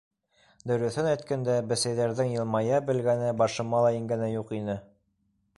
Дөрөҫөн әйткәндә, бесәйҙәрҙең йылмая белгәне башыма ла ингәне юҡ ине.